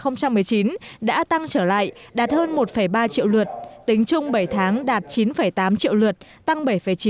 năm hai nghìn một mươi chín đã tăng trở lại đạt hơn một ba triệu lượt tính chung bảy tháng đạt chín tám triệu lượt tăng bảy chín